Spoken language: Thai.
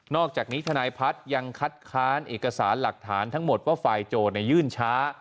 อกจากนี้ทนายพัฒน์ยังคัดค้านเอกสารหลักฐานทั้งหมดว่าฝ่ายโจทยื่นช้า